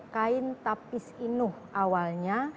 kain tapis inuh awalnya